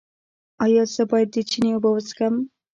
ایا زه باید د چینې اوبه وڅښم؟